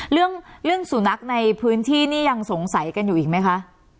เรื่องสุนัขในพื้นที่นี่ยังสงสัยกันอยู่อีกไหมคะ